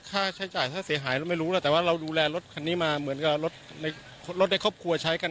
ค่าใช้จ่ายค่าเสียหายเราไม่รู้หรอกแต่ว่าเราดูแลรถคันนี้มาเหมือนกับรถในรถในครอบครัวใช้กัน